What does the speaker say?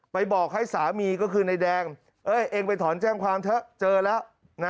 บอกให้สามีก็คือนายแดงเองไปถอนแจ้งความเถอะเจอแล้วนะ